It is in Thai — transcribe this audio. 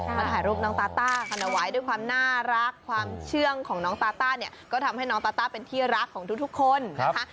มาถ่ายรูปน้องตาต้ากันเอาไว้ด้วยความน่ารักความเชื่องของน้องตาต้าเนี่ยก็ทำให้น้องตาต้าเป็นที่รักของทุกคนนะคะ